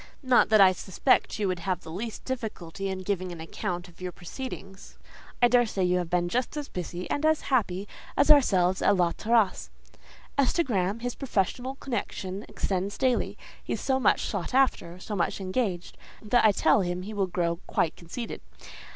Not that I suspect you would have the least difficulty in giving an account of your proceedings. I daresay you have been just as busy and as happy as ourselves at La Terrasse. As to Graham, his professional connection extends daily: he is so much sought after, so much engaged, that I tell him he will grow quite conceited.